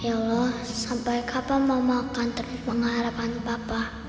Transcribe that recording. ya allah sampai kapan mama akan terus mengharapkan papa